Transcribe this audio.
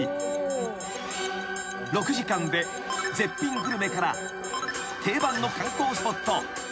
［６時間で絶品グルメから定番の観光スポット］